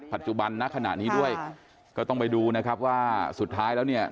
ณขณะนี้ด้วยก็ต้องไปดูนะครับว่าสุดท้ายแล้วเนี่ย